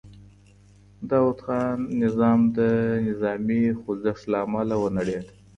د داوود خان نظام د نظامي خوځښت له امله ونړېد.